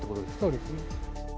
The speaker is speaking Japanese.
そうですね。